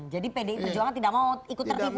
jadi pd perjuangan tidak mau ikut tertipu